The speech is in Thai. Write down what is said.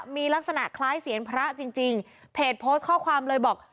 มีลักษณะคล้ายเสียงพระจริงจริงเพจโพสต์ข้อความเลยบอก